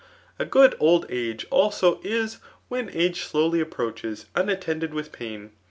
A good dUt age, also, is, when age slowly approache!^ miattended with pain.